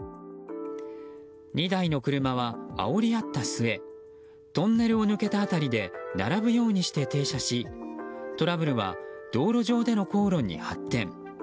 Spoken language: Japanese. ２台の車はあおり合った末トンネルを抜けた辺りで並ぶようにして停車しトラブルは道路上での口論に発展。